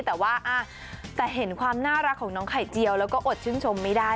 แต่ว่าแต่เห็นความน่ารักของน้องไข่เจียวแล้วก็อดชื่นชมไม่ได้